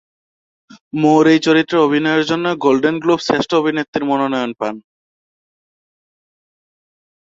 মুর এই চরিত্রে অভিনয়ের জন্য গোল্ডেন গ্লোব শ্রেষ্ঠ অভিনেত্রীর মনোনয়ন পান।